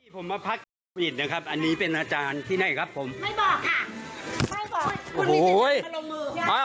ผมมาพักโควิดนะครับอันนี้เป็นอาจารย์ที่ไหนครับผมไม่บอกค่ะไม่บอกยัง